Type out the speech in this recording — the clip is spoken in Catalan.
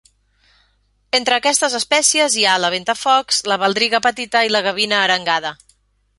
Entre aquestes espècies hi ha la Ventafocs, la baldriga petita i la Gavina arengada.